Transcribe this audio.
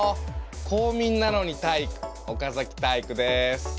公民なのに体育岡崎体育です！